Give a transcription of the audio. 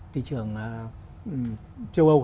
thị trường châu âu